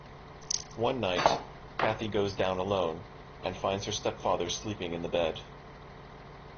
One night, Cathy goes down alone, and finds her stepfather sleeping in the bed.